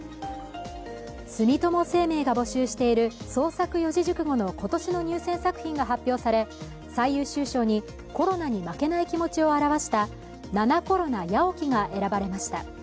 住友生命が募集している創作四字熟語の今年の入選作品が発表され、最優秀賞にコロナに負けない気持ちを表した七菌八起が選ばれました。